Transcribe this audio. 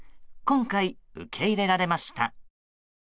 今回、受け入れられました。